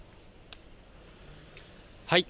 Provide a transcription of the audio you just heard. はい。